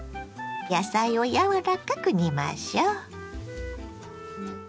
野菜をやわらかく煮ましょ。